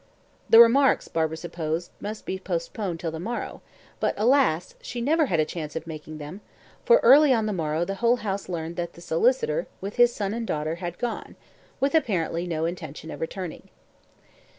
The remarks, Barbara supposed, must be postponed till the morrow; but, alas! she never had a chance of making them, for early on the morrow the whole house learned that the solicitor, with his son and daughter, had gone, with apparently no intention of returning.